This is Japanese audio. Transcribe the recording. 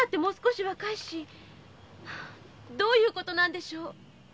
どういう事なんでしょう？